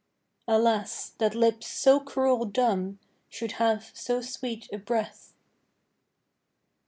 Alas! that lips so cruel dumb Should have so sweet a breath!